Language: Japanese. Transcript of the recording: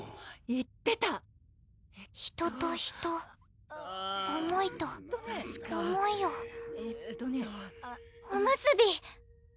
えっと人と人思いと思いをおむすび！